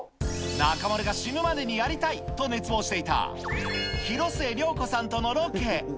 中丸が死ぬまでにやりたいと熱望していた、広末涼子さんとのロケ。